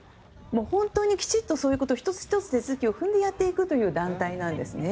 本当にきちっとそういうことを１つ１つ手続きを踏んでやっていくという団体なんですね。